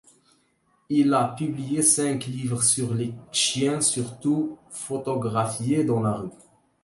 Il a publié cinq livres sur les chiens, surtout photographiés dans la rue.